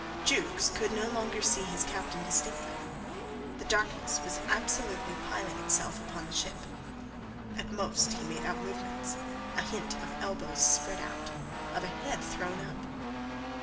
Jukes could no longer see his captain distinctly. The darkness was absolutely piling itself upon the ship. At most he made out movements, a hint of elbows spread out, of a head thrown up.